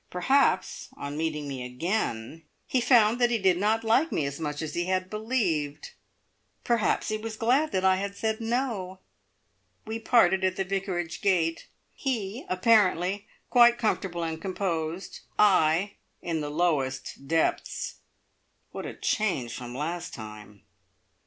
Perhaps on meeting me again he found he did not like me as much as he had believed. Perhaps he was glad that I had said "No". We parted at the Vicarage gate; he apparently quite comfortable and composed, I in the lowest depths. What a change from last time!